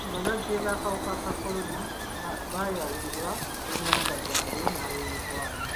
Abalwadde b'akawuka ka kolona baayawulibwa ku b'enganda zaabwe n'ab'emikwano.